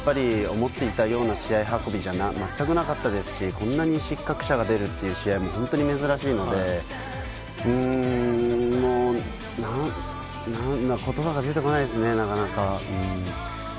僕たちが思っていたような試合運びではまったくなかったですし、こんなに失格者が出るっていう試合も本当に珍しいので、言葉が出てこないですね、なかなか。